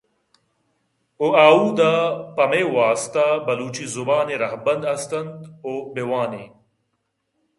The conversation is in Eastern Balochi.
ءُ آھود ءَ پہ مئے واست ءَ بلوچی زبان ءِ راھبند ھست اَنت ءُ بہ وان ایں۔